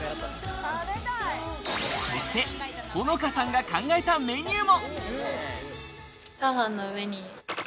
そして穂乃花さんが考えたメニューも。